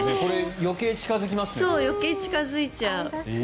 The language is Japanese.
余計に近付いちゃう。